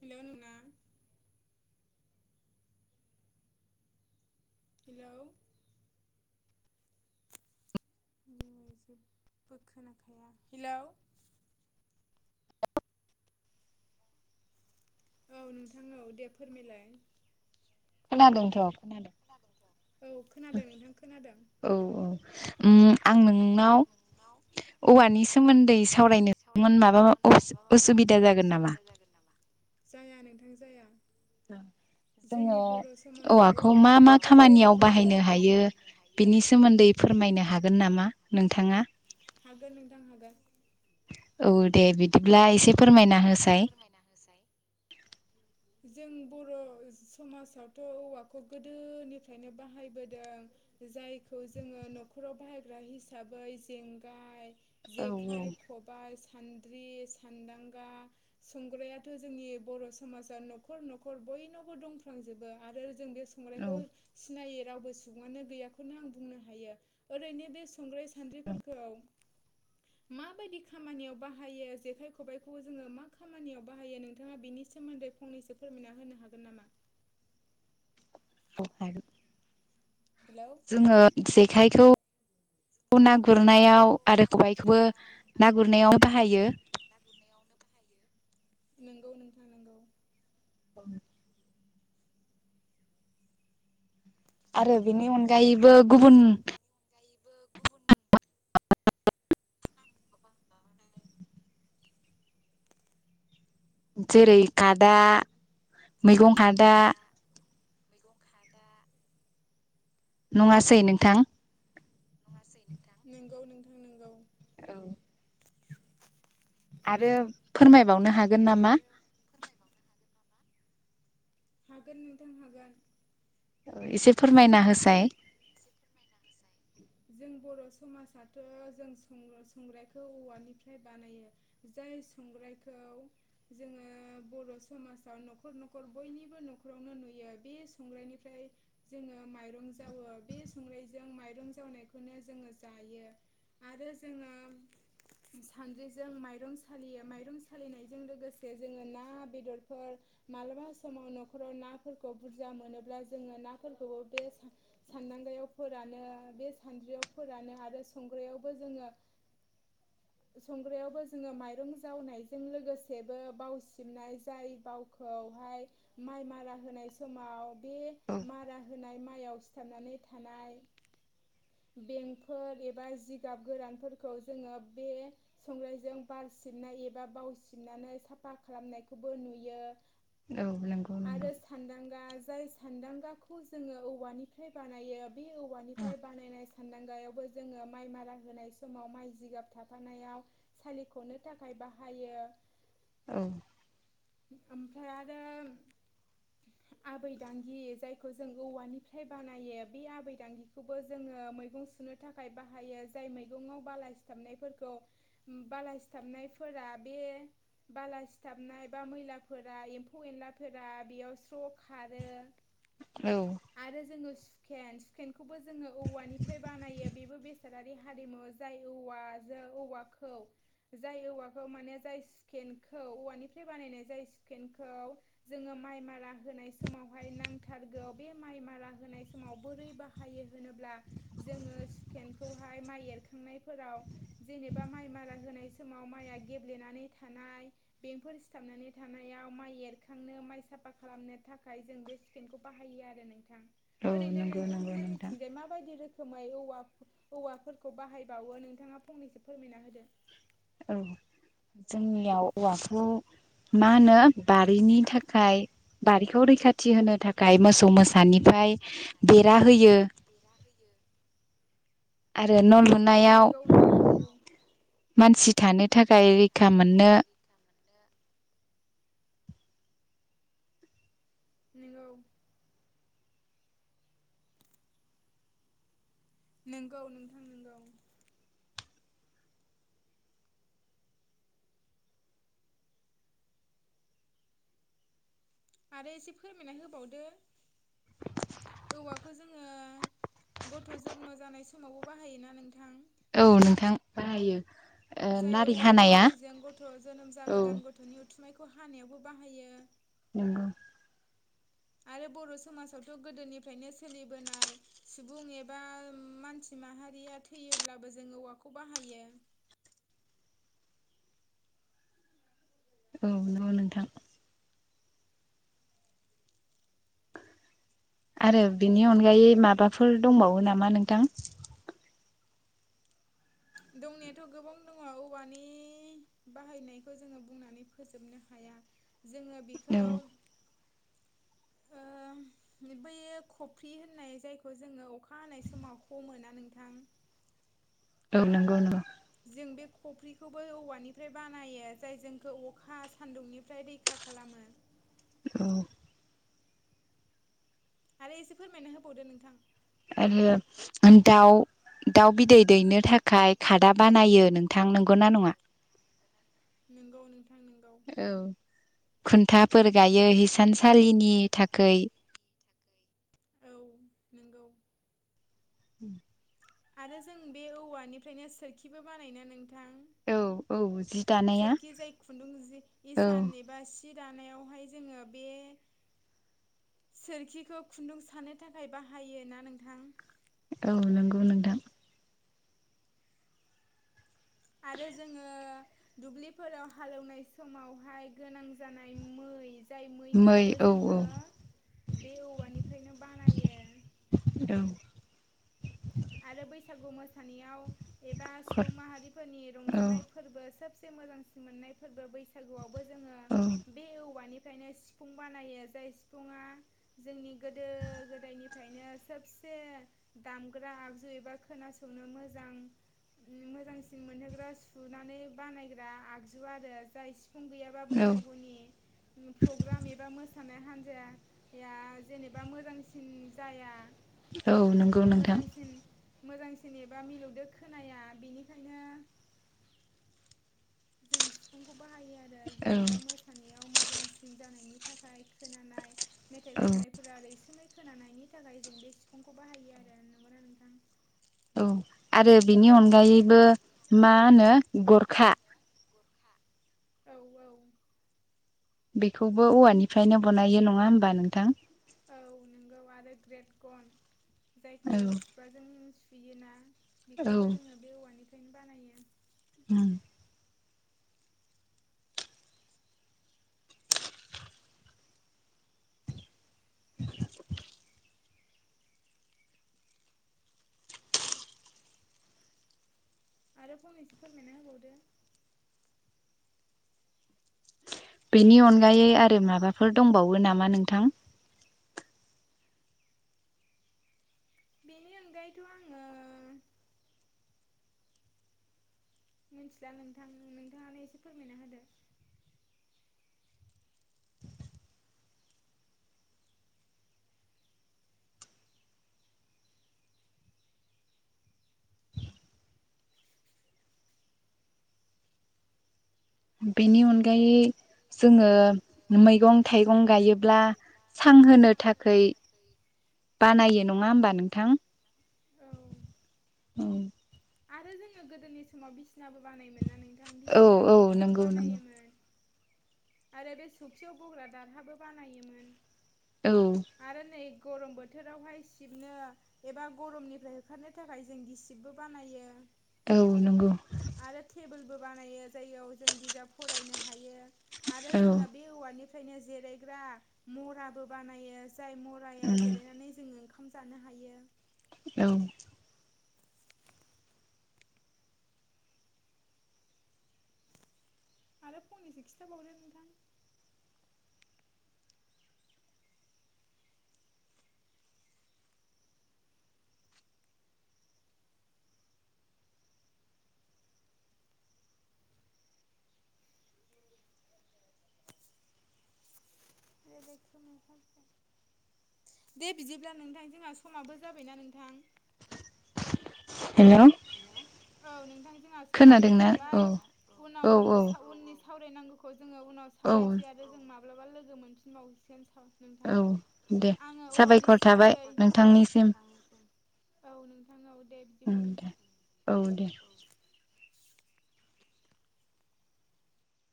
Hello नोंना hello जेबो खोना खाया हिलौ औ नोंथां औ दे फोरमायलाय। खोनादोंथ औ खोनादों। खोनादों नोंथां खोनादों औ औ उम आं नोंनाव औवानि सोमोन्दै सावरायनोमोन माबा उसुबिदा जागोन नामा? जाया नोंथां जाया। ओं जोंनि जोङो बर' समाजाव औवाखौ मा औवाखौथ' मा खामानियाव गोदोनिफ्रायनो बाहायनो हायो बाहायबोदों बिनि सोमोन्दै फोरमायनो हागोन नामा नोंथाङा? हागोन नोंथां हागोन। औ दे बिदिब्ला एसे फोरमायना होसाय। जों बर समाजावथ औवाखौ गोदोनिफ्रायनो बाहायबोदों। जायखौ जोङो नखराव बाहायग्रा हिसाबै जेंगाय औ औ जेखाइ, खबाइ, सान्द्रि सान्दांगा संग्रायाथ जोंनि बर समाजाव न'खर न'खर बयनावबो दंफ्राम आरो जों बे औ संग्रायखौ सिनायो रावबो सुबुङानो गैयाखौनो आं बुंनो हायो ओरैनो बे संग्राय सान्द्रिफोरखौ माबायदि खामानियाव बाहायो जेखायखौ खबायखौ जोङो मा खामानियाव बाहायो नोंथाङा बेनि सोमोन्दै फंनैसो फोरमायना होनो हागोन नामा? [inaudible] औ हागोन हेलौ जोङो जेखायखौ खौ ना गुरनायाव आरो खबाइखौबो ना गुरनायाव बाहायो ना गुरनायावनो बाहायो नंगौ नोंथां नोंगौ औ आरो बेनि अनगायैबो गुबुन [unintelligible] जेरै खादा मैगं खादा मैगं खादा नङासै नोंथां नङासै नोंथां नोंगौ नोंथां नोंगौ औ आरो फोरमायबावनो हागोन नामा? हागोन नोंथां हागोन एसे फोरमायना जों होसाय जों बर' समाजाथ' जों संग्रायखौ औवानिफ्राय बानायो जाय संग्रायखौ जोङो बर समाजाव न'खर न'खर बयनिबो न'खरावनो नुयो बे संग्रायनिफ्राय जोङो माइरं जावो बे संग्राजों माइरं जावनायखौनो जोङो जायो आरो जोङो सानद्रिजों माइरं सालियो माइरं सालिनाय जों लोगोसे जोङो ना बेदरफोर मालाबा समाव न'खराव नाफोरखौ बुरजा मोनोब्ला जोङो नाफोरखौबो बे सानदांगयाव फोरानो बे सानद्रियाव फोरानो आरो संग्रायावबो जोङो माइरं जावनायजों लोगोसे सेबो जोंबो बावसिबनाय जाय बावखौहाय माइ मारा होनाय समाव बे औ मारा होनाय माइआव सिथाबनानै थानाय बेंफोर एबा जिगाब गोरानफोरखौ जोङो बे संग्रायजों बार सिबनाय एबा बाव सिबनानै साफा खालामनायखौबो नुयो औ नंगौ नंगौ आरो सान्दांगा जाय सान्दांगाखौ जोङो औवानिफ्राय बानायो बे औवानिफ्राय बानायनाय सान्दांगा जोङो माइ मारा होनाय समाव माइ जिगाब थाफानायाव सालिख'नो थाखाय बाहाय बाहायो औ आमफ्राय आरो आबैदांगि जायखौ जों औवानिफ्राय बानायो बे आबैदांगिखौबो जोङो मैगं सुनो थाखाय बाहायो जाय मैगङाव बाला सिथाबनाय फोरखौ बाला सिथाबनाय फोरा बे बाला सिथाबनाय एबा मैलाफोरा एम्फौ एनलाफोरा बेयाव स्र' खारो औ आरो जोङो होखेन हखेनखौबो जोङो औवानिफ्राय बानायो बेबो बेसादारि हारिमु जाय औवाजों जायखौ माने जाय सुखेनखौ औवानिफ्राय बानायनाय जाय सुखेनखौ जोङो माइ मारा होनाय समावहाय नांथारगौ बे माइ मारा होनाय समाव बोरै बाहायो होनोब्ला जोङो सुखेनखौहाय माइ एरखांनाय फोराव जेनेबा माइ मारा होनाय समाव माइआ गेब्लेनानै थानाय बेफोर सिथाबनानै थानायाव माइ एरखांनो माइ साफा खालामनो थाखाय जों बे सुखेनखौ बाहायो आरो नोंथां औ ओरैनो नंगौ नंगौ नोंथां नोंथांमोननिथिंजाय माबायदि रोखोमै रोखोमै औवाफोरखौ बाहायबावो नोंथाङा फंनैसो फोरमायना होदो। औ जोंनियाव औवाखौ मा होनो बारिनि थाखाय बारिखौ रैखाथि होनो थाखाय मोसौ मोसा सानिफ्राय बेरा होयो। आरो न‌ लुन मोननायाव नोंगौ नोंथां मानसि थानो थाखाय रैखा मोननो नंगौ नंगौ नोंथां नोंगौ। आरो एसे फोरमायना होबावदो। औवाखौ जोङो गथ' जन्म जानाय समावबो बाहायोना नोंथां। औ नोंथां बाहायो। ओ जाय नारि औवा हानाया निजलिजों गथ' जोनोम औ जागोदान गथ'नि उथुमायखौ हानायावबो बाहायो। नंगौ। आरो बर' समाजावथ' गोदोनिफ्रायनो सोलिबोनाय सुबुं एबा मानसि माहारिया थैयोब्लाबो जोङ औवाखौ बाहायो औ नंगौ नोंथां आरो बिनि अनगायै माबाफोर दंबावो नामा नोंथां? दंनायाथ' गोबां दङ औवानि बाहायनायखौ जोङो बुंनानै फोजोबनो हाया। जोङो औ बिखौ बियो खफ्रि होननाय जायखौ जोङो अखा हानाय समाव हमो ना नोंथां [inaudible] औ नंगौ नंगौ। जों बे खफ्रिखौबो औवानिफ्राय बानायो जाय जोंखौ अखा सान्दुंनिफ्राय रैखा खालामो। [inaudible] औ आरो एसे फोरमायनो होबावदो नोंथां। आरो दाउ दाउ बिदै दैनो थाखाय खादा बानायो नोंथां नंगौ ना नङा? नोंगौ नों औ खुन्थाफोर गायो हिसानसालिनि थाखाय शशि औ नंगौ। उम आरो जों बे औवानिफ्रायनो सोरखिबो बानायना नों थां औ औ जि दानाया सोरखि जाय खुन्दुं औ इसान एबा सि दानायावहाय जोङो बे सोरखिखौ खुन्दुं सानो थाखाय बाहायो ना नोंथां। औ नंगौ नोंथां। आरो जोङो दुब्लिफोराव हालौवनाय समावहाय गोनां जानाय मै जाय मै मैखौबो औ औ जोङो बे औवानिफ्रायनो बानायो। औ आरो बैसागु मोसानायाव एबा खर सुबुं माहारिफोरनि औ रंजानाय फोरबो सबसे मोजांसिन मोननाय फोरबो बैसागुआवबो जोङो औ बे औवानि निफ्रायनो सिफुं बानायो जाय सिफुुंआ जोंनि गोदो गोदायनिफ्रायनो सोब से दामग्रा आगजु एबा खोनासंनो मोजां मोजांसिन मोनहोग्रा सुनानै बानायग्रा आगजु आरो जाय सिफुं गैयाबा औ बैसागुनि प्रग्राम एबा मोसा नाय हान्जाया जेनेबा मोजांसिन जाया। औ नोंगौ मोजांसिन मोजांसिन एबा मिलौदो खोनाया बेनिखायनो जों सिफुंखौ बाहायो आरो औ जेनेबा मोसानायाव मोजां सिन जानायनि थाखाय खोनानाय मेथाइ औ खननायफोरा‌ रैसुमै खोनानायनि थाखाय जों बे सिफुंखौ बाहायो आरो नोंगौना नोंथां। औ आरो बिनि अनगायैबो मा होनो गरखा औ औ। बेखौबो औवानिफ्रायनो बनायो। नङा होमबा नोंथां? औ नोंगौ आरो ग्रेट गन जायखौ औ खुगाजों सु योना औ बेखौबो जोङो बे औवानिफ्रायनो बानायो। उम [inaudible] आरो फंनैसो फोरमायना होबावदो बेनि अनगायै आरो माबाफोर दंबावो नामा नोंथां? बेनि अनगायैथ' आङो मिनथिला नोंथां। नोंथाङानो एसे फोरमायना होदो। बेनि अनगायै जोङो मै गं थाइगं गायोब्ला सां होनो थाखै बानायो। नङा होमबा नोंथां? औ आरो जोङो गोदोनि समाव बिस सिनाबो बानायोमोन ना नोंथां औ बिसिना औ सौखिबो नंगौ नंगौ बानायोमोन। आरो बे सौखियाव बग्रा दारहाबो बानायोमोन औ आरो नै गरम बोथोरावहाय सिबनो एबा गरमनिफ्राय होखारनो थाखाय जों गिसिबबो बानायो। औ नोंगौ। बो बानायो जायाव जों बिजाब फरायनो हायो आरो औ जोङो बे औवानि फ्रायनो जिरायग्रा मराबो बानायो जाय मरायाव उम जिरायनानै जोङो ओंखाम जानो हायो। औ। आरो फंनैसो खिथाबावदो नोंथां। आइदै खोमाया साजोब्बाय। दे बिदिब्ला नोंथां जोंहा समाबो जाबायना नोंथां। हेल' हेलौ औ नोंथां जोंहा समाबो खोनादोंना औ जाबाय औ उनाव औ साव उननि साव सावरायनांगौखौ जोंङो उनाव औ सावरायनसै आरो जों माब्लाबा लोगो मोनफिन बावसिगोन साव नोंथां औ दे आंङो औवानि साबायखर थाबाय सोमोन्दै थाबाय नोंथांनिसिम नोंथांनिसिम। औ नोंथां औ। दे उम बिदिब्ला दे नोंथां औ दे।